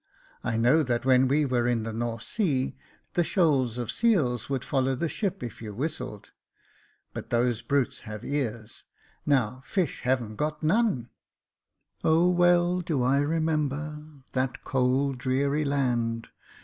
I know that when we were in the North Sea, the shoals of seals would follow the ship if you whistled ; but those brutes have ears — now fish hav'n't got none. " Oh well do I remember that cold dreary land.